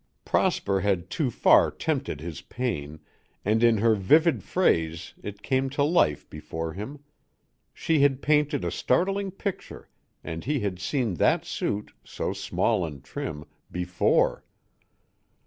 Prosper had too far tempted his pain, and in her vivid phrase it came to life before him. She had painted a startling picture and he had seen that suit, so small and trim, before.